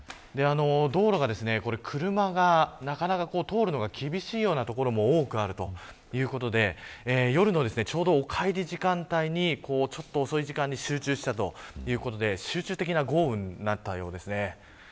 道路が、車がなかなか通るのが厳しいような所も多くあるということで夜のお帰りの時間帯にちょっと遅い時間に集中したということで集中的な豪雨になったようです。